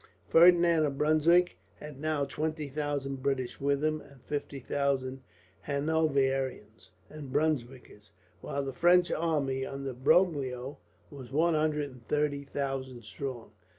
Ferdinand of Brunswick had now twenty thousand British with him, and fifty thousand Hanoverians and Brunswickers; while the French army under Broglio was one hundred and thirty thousand strong.